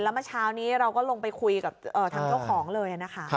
แล้วเมื่อเช้านี้เราก็ลงไปคุยกับทางเจ้าของเลยนะคะ